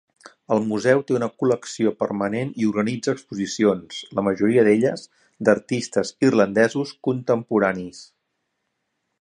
El museu té una col·lecció permanent i organitza exposicions, la majoria d'elles d'artistes irlandesos contemporanis.